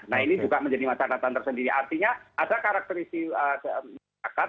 nah ini juga menjadi masyarakat tersendiri artinya ada karakteristik masyarakat